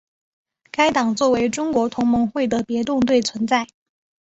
该党作为中国同盟会的别动队存在。